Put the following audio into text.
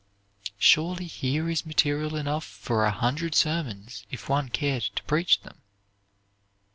Surely, here is material enough for a hundred sermons if one cared to preach them.